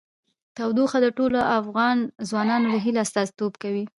تودوخه د ټولو افغان ځوانانو د هیلو استازیتوب کوي.